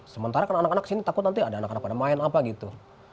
sementara kan anak anak kesini takut nanti ada anak anak pada main apa gitu